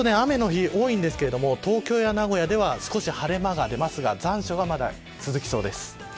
週末、雨の日多いんですけれど東京や名古屋では少し晴れ間が出ますが残暑がまだ続きそうです。